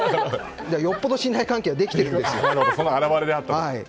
よっぽど信頼関係ができてるんですよ。